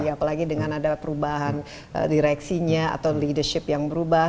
apalagi dengan ada perubahan direksinya atau leadership yang berubah